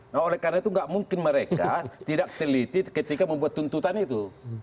nah oleh karena itu tidak mungkin mereka tidak teliti ketika membuat tuntutan itu